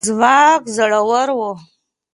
افغان ځواک زړور و